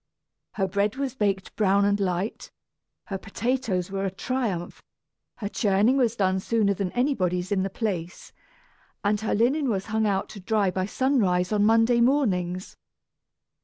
Her bread was baked brown and light, her potatoes were a triumph, her churning was done sooner than anybody's in the place, and her linen was hung out to dry by sunrise on Monday mornings.